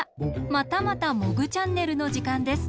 またまた「モグチャンネル」のじかんです。